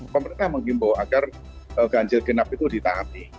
pemerintah menghimbau agar ganjil genap itu ditaati